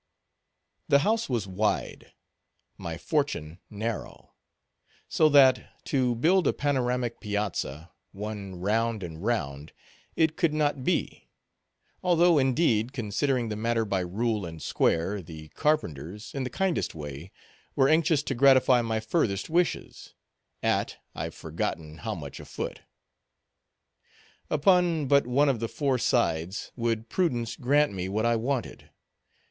The house was wide—my fortune narrow; so that, to build a panoramic piazza, one round and round, it could not be—although, indeed, considering the matter by rule and square, the carpenters, in the kindest way, were anxious to gratify my furthest wishes, at I've forgotten how much a foot. Upon but one of the four sides would prudence grant me what I wanted.